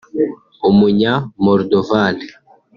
Umunya-Moldoval